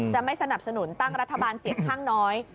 จะไม่สนับสนุนตั้งรัฐบาลเสียงข้างน้อย